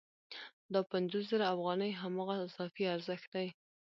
دا پنځوس زره افغانۍ هماغه اضافي ارزښت دی